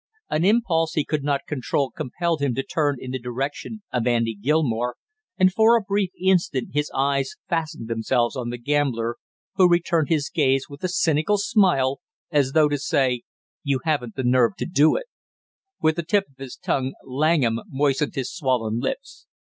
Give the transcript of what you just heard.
An impulse he could not control compelled him to turn in the direction of Andy Gilmore, and for a brief instant his eyes fastened themselves on the gambler, who returned his gaze with a cynical smile, as though to say: "You haven't the nerve to do it." With the tip of his tongue Langham moistened his swollen lips.